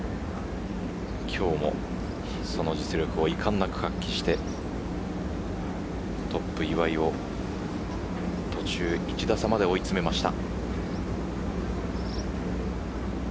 今日もその実力をいかんなく発揮してトップ岩井を途中１打差まで追い詰めました。